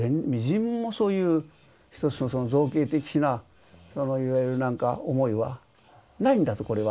みじんもそういう一つの造形的ないわゆるなんか思いはないんだと。